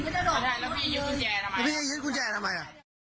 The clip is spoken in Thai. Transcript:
แล้วพี่ยืนกุญแจทำไม